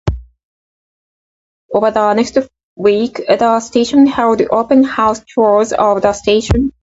Over the next week the station held open house tours of the station.